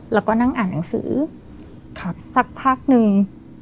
แล้วก็นั่งอ่านหนังสือสักพักนึง